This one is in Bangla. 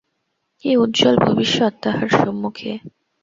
কি উজ্জ্বল ভবিষ্যৎ তাহার সম্মুখে!